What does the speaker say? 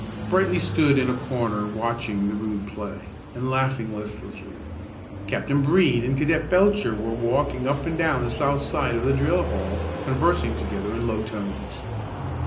Brightly stood in a corner watching the rude play, and laughing listlessly. Captain Brede and Cadet Belcher were walking up and down the south side of the drill hall, conversing together in low tones.